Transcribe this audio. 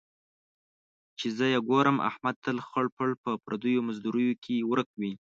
چې زه یې ګورم، احمد تل خړ پړ په پردیو مزدوریو کې ورک وي.